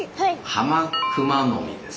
ハマクマノミです。